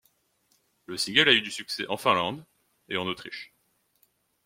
Le single a eu du succès en Finlande et en Autriche.